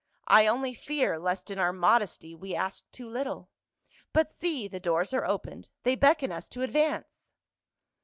I only fear lest in our modesty we ask too little. But see, the doors are opened ! They beckon us to advance